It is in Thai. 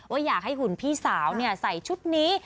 ว่าอยากให้หุ่นพี่สาวใส่ชุดนี้